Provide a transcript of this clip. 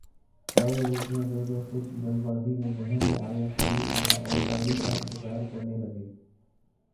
چائے اور روٹیاں جو جو کچھ جلد بازی میں ذہن میں آیا خرید لیااور گاڑی کا انتظار کرنے لگے ۔